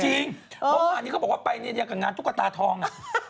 จริงเมื่อวานเขาบอกว่าไปเนี่ยอย่างกันงานธุกตาทอง